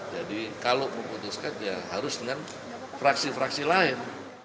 jadi kalau memutuskan ya harus dengan fraksi fraksi lain